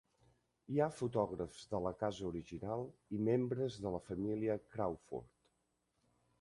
Hi ha fotògrafs de la casa original i membres de la família Crawford.